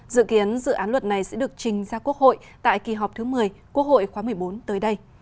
dự kiến dự án luật này sẽ được trình ra quốc hội tại kỳ họp thứ một mươi quốc hội khóa một mươi bốn tới đây